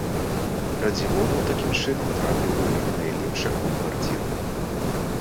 Радзівонаў такім чынам трапіў у лік найлепшых бамбардзіраў.